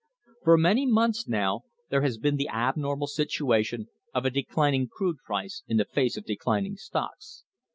For many months now there has been the abnormal situation of a declining crude price in face of declining stocks.